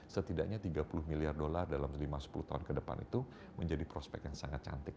setidaknya tiga puluh miliar dolar dalam lima sepuluh tahun ke depan itu menjadi prospek yang sangat cantik